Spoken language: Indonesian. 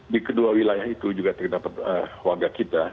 di kedua wilayah itu juga terdapat warga kita